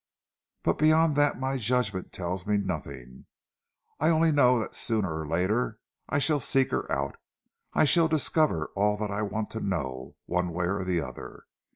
But beyond that my judgment tells me nothing. I only know that sooner or later I shall seek her out. I shall discover all that I want to know, one way or the other.